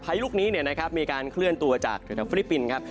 พายุลูกนี้เนี่ยนะครับมีการเคลื่อนตัวจากเทพฯครับ